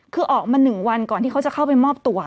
คือออกมา๑วันก่อนที่เขาจะเข้าไปมอบตัว